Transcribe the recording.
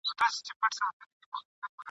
هغه چي لمر ته مخامخ دی هغه زما کلی دی !.